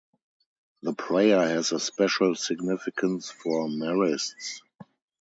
The prayer has a special significance for Marists.